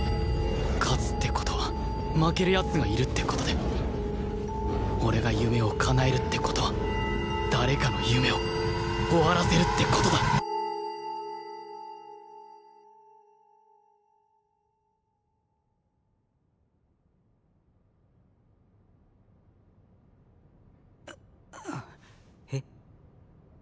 勝つって事は負ける奴がいるって事で俺が夢をかなえるって事は誰かの夢を終わらせるって事だえっ？